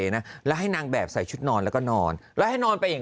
นะแล้วให้นางแบบใส่ชุดนอนแล้วก็นอนแล้วให้นอนไปอย่าง